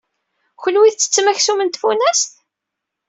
Kunwi tettem aksum n tfunast?